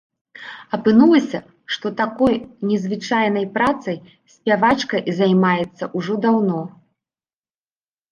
Апынулася, што такой незвычайнай працай спявачкай займаецца ўжо даўно.